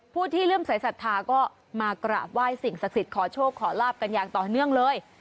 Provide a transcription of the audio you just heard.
ที่เริ่มใส่ศรัทธาก็มากราบไหว้สิ่งศักดิ์สิทธิ์ขอโชคขอลาบกันอย่างต่อเนื่องเลย